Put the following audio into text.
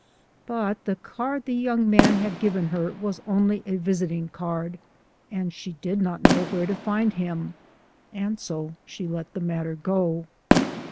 But the card the young man had given her was only a visiting card, and she did not know where to find him, and so she let the matter go.